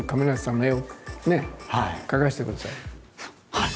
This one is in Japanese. はい！